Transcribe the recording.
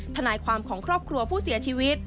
ทนายความของครอบครัวผู้เสียชีวิต